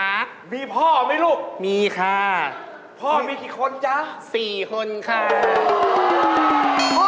อะไรน่ะอะไรก็ได้ดูนะให้มันเยอะ